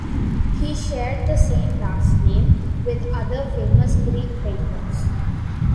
He shared the same last name with other famous Greek painters.